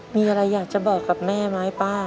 มีอะไรอยากจะบอกกับแม่ไหมป้า